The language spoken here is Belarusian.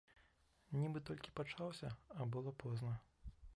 Нібы толькі пачаўся, а было позна.